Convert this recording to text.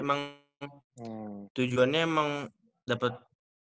emang tujuannya emang dapet